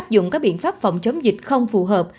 dùng các biện pháp phòng chống dịch không phù hợp